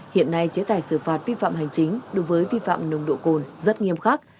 hiện nay chế tài xử phạt vi phạm hành chính đối với vi phạm nồng độ cồn rất nghiêm khắc